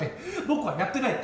僕はやってない。